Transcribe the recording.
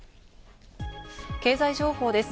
経済情報です。